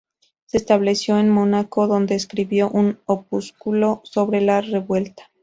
Se estableció en Mónaco, donde escribió un opúsculo sobre la revuelta.